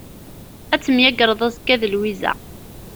Ad temyagreḍ azekka d Lwiza.